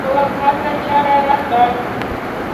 یوه پاکي چاړه راکړئ